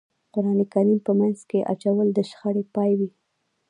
قرآن کریم په منځ کې اچول د شخړې پای وي.